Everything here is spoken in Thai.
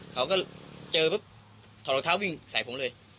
เขาก็เจอปุ๊บถอดรองเท้าวิ่งใส่ผมเลย